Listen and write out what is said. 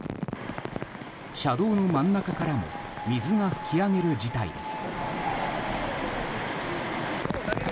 車道の真ん中からも水が噴き上げる事態です。